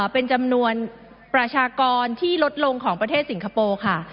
ประชากรที่ลดลงของประเทศสิงคโปรค่ะ